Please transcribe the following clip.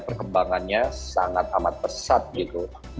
sebenarnya ini adalah sebuah karya yang sangat sangat besar